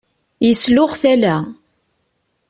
Yesluɣ tala.